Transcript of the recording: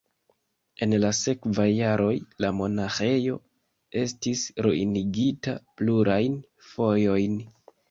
En la sekvaj jaroj la monaĥejo estis ruinigita plurajn fojojn.